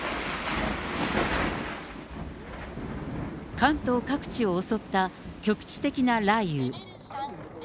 関東各地を襲った局地的な雷雨。